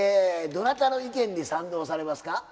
どなたの意見に賛同されますか？